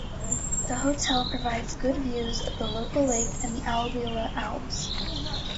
The hotel provides good views of the local lake and the Albula Alps.